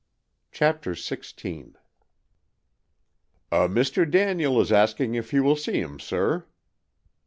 CHAPTER XVI ''A Mr. Daniel is asking if you will see him, sir."